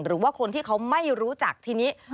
หรือว่าคนที่เขาไม่รู้จักทีนี้